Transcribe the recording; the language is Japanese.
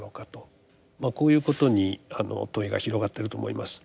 まあこういうことに問いが広がってると思います。